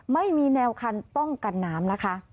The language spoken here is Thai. ไม่มีแนวคันป้องกันน้ำนะคะ